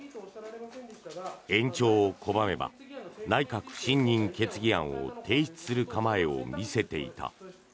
延長を拒めば内閣不信任決議案を提出する構えを見せていた。